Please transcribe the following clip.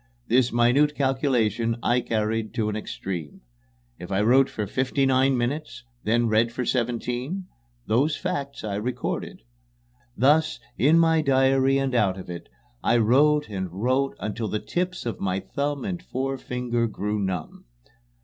This minute calculation I carried to an extreme. If I wrote for fifty nine minutes, and then read for seventeen, those facts I recorded. Thus, in my diary and out of it, I wrote and wrote until the tips of my thumb and forefinger grew numb.